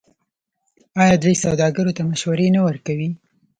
آیا دوی سوداګرو ته مشورې نه ورکوي؟